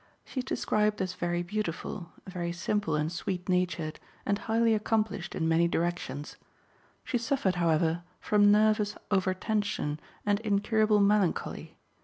She is described as very beautiful, very simple and sweet natured, and highly accomplished in many directions. She suffered, however, from nervous overtension and incurable melancholy.